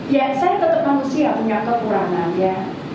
ya saya tetap manusia punya kekurangan ya